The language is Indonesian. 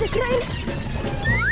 kok udah bisa kira ini